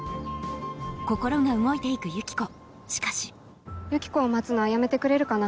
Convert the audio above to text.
心が動いて行くユキコしかしユキコを待つのはやめてくれるかな？